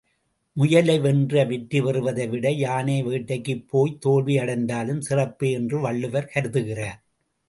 முயலை வென்று வெற்றிபெறுவதைவிட யானை வேட்டைக்குப்போய்த் தோல்வி அடைந்தாலும் சிறப்பே என்று வள்ளுவர் கருதுகிறார்.